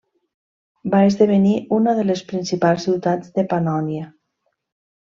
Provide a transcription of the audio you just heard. Va esdevenir una de les principals ciutats de Pannònia.